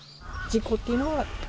事故っていうのは？